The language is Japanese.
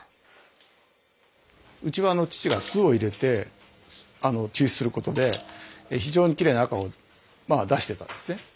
うちは父が酢を入れて抽出することで非常にきれいな赤をまあ出してたんですね。